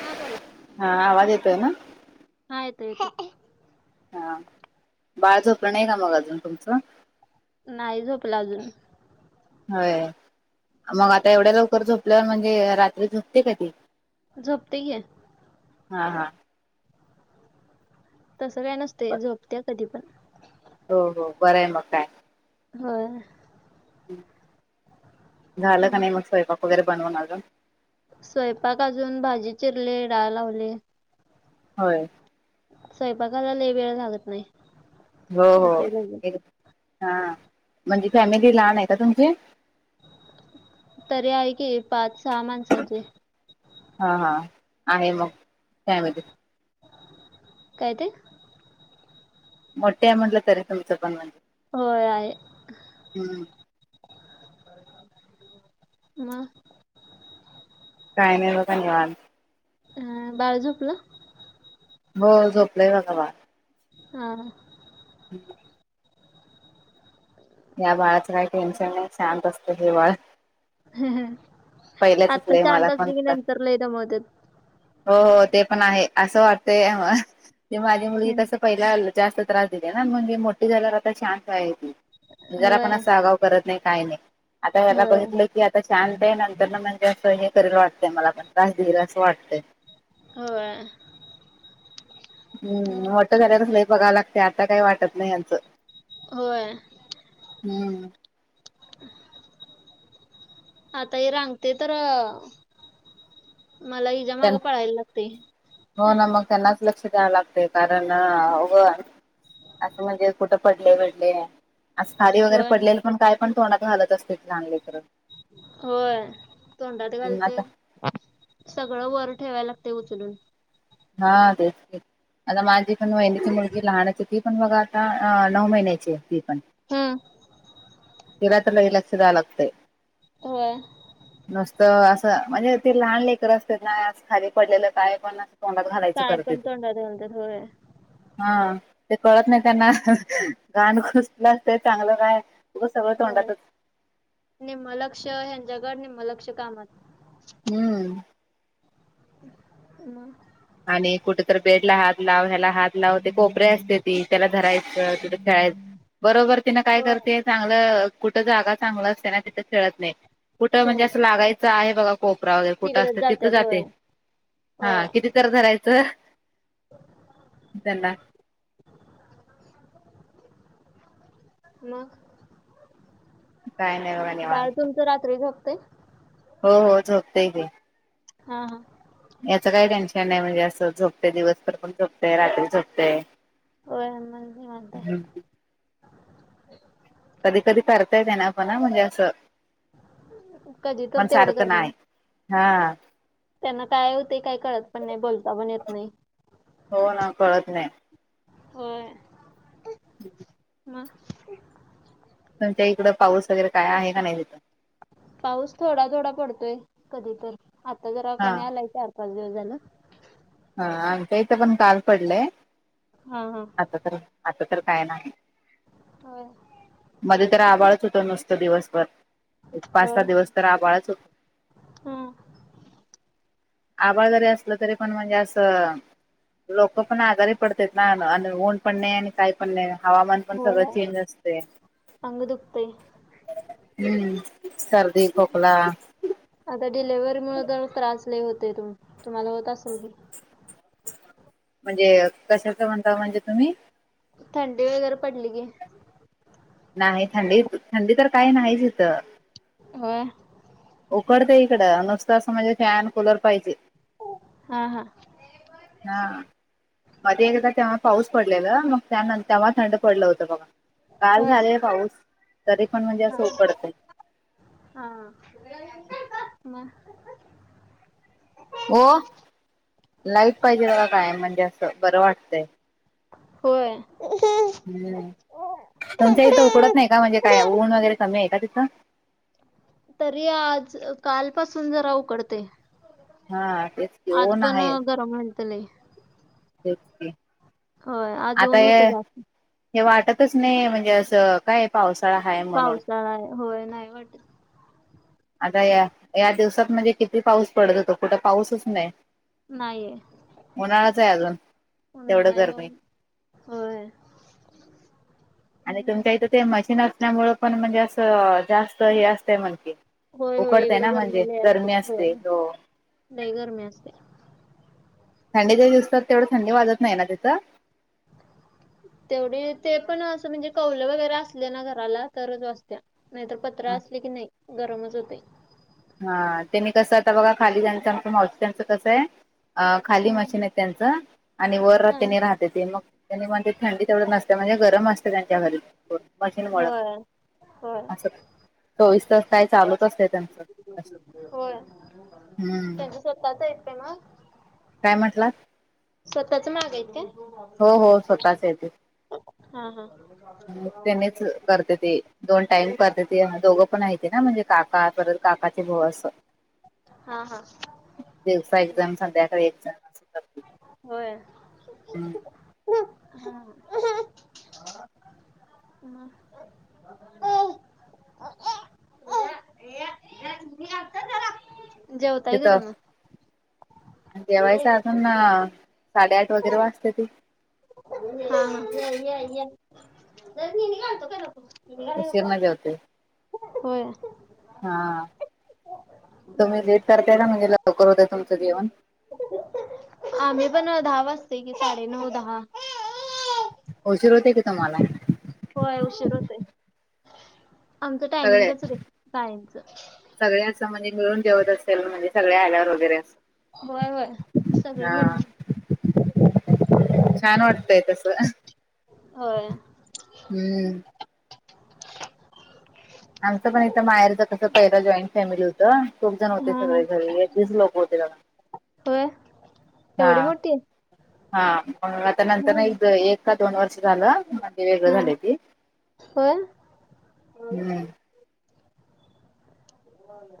हा बोला हा आवाज येतोय ना हा येतोय येतोय हा बाळ झोपलं नाही का मग अजून तुमचं नाही झोपला अजून होय मग आता एवढ्या लवकर झोपल्यावर म्हणजे रात्री झोपते का ती झोपते आहे हा हा तसं काय नसते ब- झोपत्या कधी पण हो हो बरं आहे मग काय हो झालं का नाही मग स्वयंपाक वगैरे बनवून अजून स्वयंपाक अजून भाजी चिरले डाळ लावली होय स्वयंपाकाला ल वेळ लागत नाही हो हो होतय लगेच एक हा म्हणजे फॅमिली लहान आहे का तुमचे तरी आहे की पाच सहा माणसांचे हा हा आहे मग त्यायमध्ये काय ते मोठे आहे म्हटलं तरी तुमचं पण म्हणजे होय आहे हम व काय नाही ब का निवा अ बाळ झोपलं ब झोपलंय बघा बा हा हम् या बाळाचं काही टेन्शन नाही शांत असतं ज बाळ ह ह पहिल्याच आत्ता लय शां मला तास पण बी नंतर लय द मोदत हो ते पण आहे असं वाटतय म ते माझी मुलगी तस जा तणज मो झाल्या आता शांत होय आप त नाही का नाही आता याला होय बित क आता शांत ना हे करेल वाटतं मला पण त्रास देला असं वाटतंय हो हम्म मोठ झाल्यालाच लई बघावं लागते आता काही वाटत नाही यांचं होय हम्म. आता हे रांगते तर मला हिजा त्यां मागं पळायला लागते हो ना मग त्यांनाच लक्ष द्यावं लागते कारणघ असं म्हणजे कुठं पडले पडले आज खादी वगैरे होय पडलेले पण काय पण तोडत हलत असते चांगले करत होय तोंडाात हम्म घालते आता सगळं वर ठेवायला लागते उचलून हा ते आता माझी पण वहिनची मुल जी लहाानची ती पण बघा आता नऊ महिन्याची आहे ती पण हम एलाात एकई लक्ष दहा लागते हो नुसतं असं म्हणजे ते लहान लेकर असते ना खाली पडलेलं काय पण तडत घालायचं काय करत य पण ते तोंडात घालतात होय हा ते कळत नाही त्यांना गाण कुसलं असत चांगलं काय त सगळंोंडातच निम लक्ष हेंजगड निम लक्ष कामत हम्म म आणि कुठेतरी बेड ला हात लावयला हात ते कोपरे असते ती त्याला धरायचं तिथं खेळायचं बरोबर तिनं काय होय करते चांगलं कुठं जागा चांगलं असते ना तिथं खेळत नाही कुठं म्हणजे खेळात असं लागायचं आहे बघा कोपरा वगैरे कुठं असत तिकडच तिथं जात्यात जाते होय हा होय किती धरायचं त्यांना मग काय नाही बघा बाळ निवांत तुमच रात्री झपते हो हो झोपते घ हा हा याचं काही टेन्शन नाही म्हणजे असं झोपते दिवसभर पण झोपते रात्री झोपते हो मण म्हणताय कधी कधी करता येते ना आपण म्हणजे असं कधी तर पण तेवढं सारखं करण नाही हा त्यांना काय होते काय कळत पण नाही बोलता पण येत नाही हो ना कळत नाही होय हम म तुमच्या इकड पाऊस वगैरे काय आहे का नाही तिथून पाऊस थोडा थोडा पडतोय कधी तर आता जरा हा. कमी आलाय तर पाच दिवज ना हा आणि त्या इथं पण काल पडलंय हा हा आता तर आता तर काय नाही हो मध्ये तर आवाळच होत नुसतं दिवसभर एक पाच होय. सहा दिवस तर आ बाळच होतो हा. आवाड जरी असलं तरी पण म्हणजे लोक पण आजारी पडत ना आणि ऊन पण नाही आणि काही पण हवामान पण सगळं चेंज असते अंगुदुतेे हम्म सर्दी खोकला आता डिलेव्हरी मु जर त्रासले होते तु तुम्हाला होत असल म्हणजे कशाच म्हणता म्हणजे तुम्ही थंडी वगैरे पडली गी नाही थंडी थंडी तर काही नाहीच इथं हो उकडते इकडं नुसतं असं म्हणजे फॅन कुलर पाहिजे हा हा हा मध्ये एकदा तेव्हा पाऊस पडलेला मग त्या तेव्हा थंड पडलं होतं बघा काल होय झालेय पाऊस तरी पण म्हणजे असं हा उकडतंय हा हो लाईट पाहिजे बला काय म्हणजे असं बरं वाटतंय होय हम तुमच्या इथं उकडत नाही का म्हणजे काय ऊन वगैरे कमी आहे का तिथं तरी आज कालपासून जरा उकडते हा तेच की आज ऊन पण गरम मिल तलय चे हो आज ऊनू तर जास्त हे वाटतच नाही म्हणजे असं काय पावसाळा हा पावसाला होय नाही वाटत आता या या दिवसात म्हणजे किती पाऊस पडत होतो कुठं पाऊसच नाही नाहीये उन्हाळाच आहे अजून तेवढं उन्हाळा आहे गरमी होय आणि होय. तुमच्या इथं ते मशीन असल्यामुळें पण म्हणजे असं जास्त हे असतंय म्हण क होय होय इकडं गरमेल असते होय हो ल गरमीे असते थंडीचे दिसतात तेवढं थंडी वाजत नाही ना तिचं तेवढी ते पण असं म्हणजे कौल वगैरे असले ना घराला तरच वाचत नाहीतर पत्र असले की नाही गरमच होते हा त्यांनी कसं आता बघा खालीचं आमच मावसचं कसं आहे खाली हम्म मशीन त्यांच आणि हा. वरनी राहत ते मग मग ते थंडी तेवढ नसते म्हणजे गरम असते त्यांच्या घरी मशीनमुळे होय होय असं चोवीस तास काय चालूत असते त्यांचं मशीन. होय हम्म त्यांच्या स्वतःच आहेत का म काय म्हटला स्वतःच माहागाय का हो हो स्वतःच येते हा हा त्यांनीच करते ते दोन टाम करते ते दोघं पण आहे ते ना म्हणजे काका पर काकाचे भाऊ असं हा हा दिवसा एक्झाम संध्याकाळी एक्झाम अस होय ह अ जेवताय का ते मग देवाळीच अजून साडेआठ वगेरे वाचते ती या या ज निी नि घालतो का तो उशीिर नाही जते होय हा तुम्ही लेट करताय ना म्हणजे लवकर होत तुमचं जेवण आम्ही पण दहा वाजते कि साडेनऊ दहा शीर होते का तुम्हाला होय उशीर होत आहे आमचं टायमिंगच आहे गाळच सगळ्या असं म्हणजे मिळून देवत असेल म्हणजे सगळे आल्यावर वगैरे अस होय होय सगळे मिळ छान वाटतंय तस होय हम्म आमचंणथ माहेरच कसं पहिलं जॉईंट फॅमिली हो खूप जण होते सगळे घरी एकीच लोक होते हो हा हा म आ त्या नंतर नाही एक हम्म एक का दोन वर्ष झालं म्हणे वेगळं झालं ती हो हम्म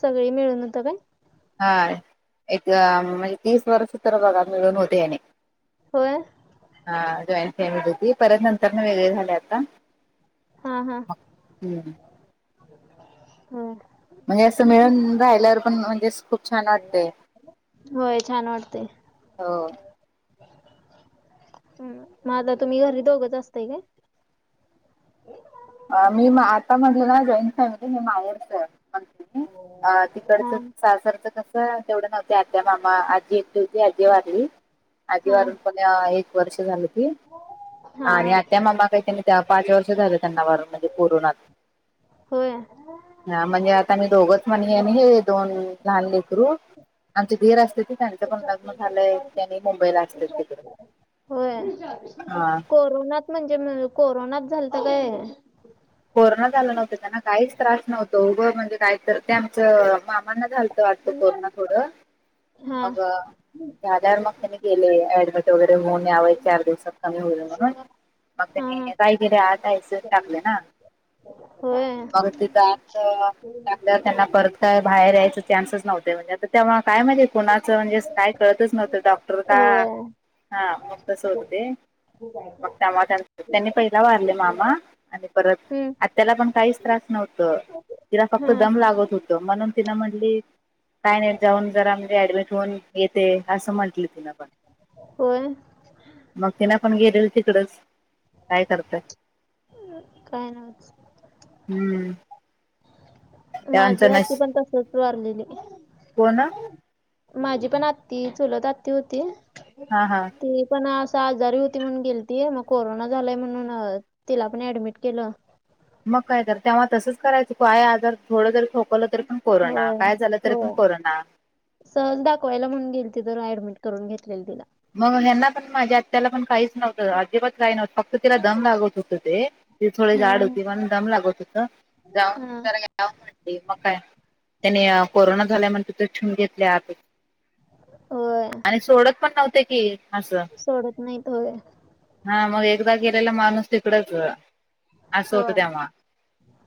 सगळी मिळून होत पण हा एक म्हणजे तीस वर्ष तर बघा मिळून होते याने हो हा जॉईन होती परत नंतर वेगळे झाले आता् हम् म्हणजे असं मिळून राहिल्यावर पण म्हणजे खूप छान वाटतय होय छान वाटतेय हो हम् मग आता तुम्ही घरी दोघंच असताय का मी आता म्हणलं ना जॉईंट फॅमिली हे माहेरच तिकडच हा सासरच क तेवढं नव्हत आत्या मामा आजी येते होती आजी वारली आजी हा वारून एक वर्ष झालं त हा आणि हा आत्या मामा काही त्यांनी त्या पाच वर्ष झालं त्यांना म्हणजे पर होय हा म्हणजे आता मी दोघच म्हणे ना हे दोन लहान लेकरू आमची धीर असते ते त्यांचं पण लग्न झालंय त्यांनी मुंबईला असते तिकडें होय कोरोनात म्हणजे कोरोनात झाल तर काय कोरोना झालं नव्हतं त्यांना काहीच त्रास नव्हतो उघं म्हणजे कायत ते आमचं मामांना झालतं वाटत कोरोना थोड हा झाल्यावर त्यांनी गेले ऍडमिट वगैरे होऊन याव चार दिवसात कमी होईल म्हणून मग हा हा त्याने काय केेले आत आय सीयु त टाकले ना. होय. मग तित आत टाकल्यावर त्यांना परत काय बाहेर यायच चान्सच नव्हते म्हणजे आ तेव काय माहिती कुणाचं म्हणजे काय कळतच नव्हतं डॉक्टर का होय हा मग तस होत ते. मग त्यांनी पहिला वारले मामा आणि परत हम्म आत्याला पण काहीच त्रास नव्हत तिला फक्त हा दम लागत होत म्हणून तिन म्हणली काय नाही जाऊन जरा म्हजे ऍडमिट होऊन येते असं म्हंटलं तिन. होय! मग तिन पण गेलेल तिकडेच काय करताय. काय नवच. हम्म! माझी त्यांचं नश आत्ती पण तसच वारलेली. कोण हा माझी पण आत्ती चुलत आत्ती होती हा ती पण असं आजारी होती म्हणून गेलती मग कोरोना झालाय म्हणून तिला पण ऍडमिट केलं. मग काय तर तेव्हा तसंच करायचं काय आजर थोडं जरी खोकवलं तर पण कोरोना होय काय झालं तरी पण होय कोरोना! सहज दाखवायला म्हणून गेल ति तर ऍडमिट करून घेतलेल तिला. मग हेना पण माझ्या आत्याला पण काहीच नव्हतं अजिबात काही नव्हतं फक्त तिला दम लागत होत ते ती थोड हा जाड होती पण दम लागत होत हा जाऊन म्हणली मग काय त्यानी कोरोना झाला म्हण तिथ ठेवून घेतल्या होय! सोडत पण नव्हते की! असं सोडत नाहीत होय. हा मग एकदा गेलेला माणूस तिकडच असं होतं होय. तेव्हा.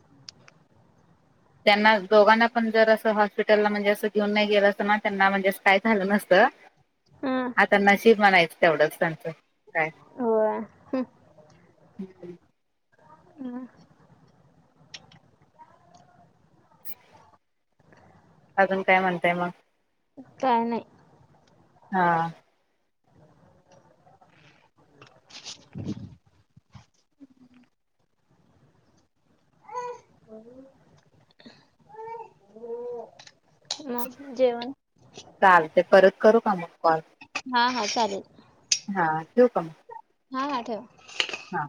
[inaudible] त्यांना दोघांना पण जर असं हॉस्पिटलला म्हणजे असं घेऊन नाही गेलं अस ना त्यांना म्हणजे काय झालं नसतं. हा आता नशीब म्हणायचं तेवढंच त्याचं आता. होय. म [inaudible] अजून काय म्हणताय मग? काय नाही. हा! [inaudible] [unintelligible] मग जेवण चालतंय परत करू का मग कॉल? हा हा चालेल. हा ठेवू का मग? हा हा ठेवा. हां!